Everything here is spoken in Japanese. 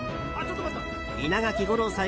稲垣吾郎さん